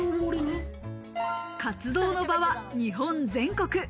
活動の場は日本全国。